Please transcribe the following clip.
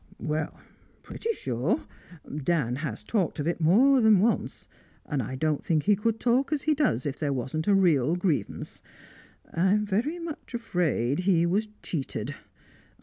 "Well, pretty sure. Dan has talked of it more than once, and I don't think he could talk as he does if there wasn't a real grievance. I'm very much afraid he was cheated.